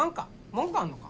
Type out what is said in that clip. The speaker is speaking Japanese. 文句あんのか？